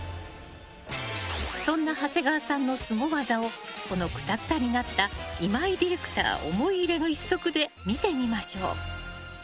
そんな長谷川さんのスゴ技をこのくたくたになった今井ディレクター思い入れの一足で見てみましょう。